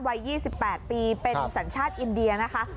วัย๒๘ปีเป็นสัญชาติอินเดียนะคะ